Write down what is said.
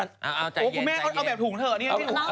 เอาแบบถุงเถอะ